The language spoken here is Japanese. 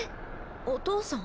お父さん？